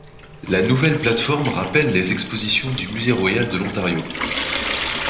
La nouvelle plate-forme rappelle les expositions du Musée royal de l'Ontario.